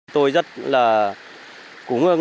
tôi rất là cố ngưng